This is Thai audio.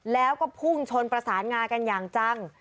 แล้วก็พุ่งชนประสานงากันอย่างจัง